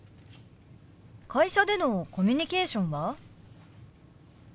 会社でのコミュニケーションは？